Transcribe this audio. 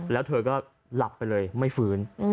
แล้วเธอก็หลับไปเลยไม่ฟื้น